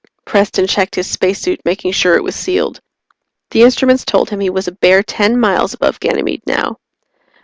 Preston checked his spacesuit, making sure it was sealed. The instruments told him he was a bare ten miles above Ganymede now.